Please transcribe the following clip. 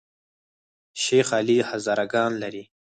شیخ علي هزاره ګان لري؟